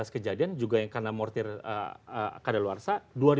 dua ribu sembilan belas kejadian juga yang karena mortir kadaluarsa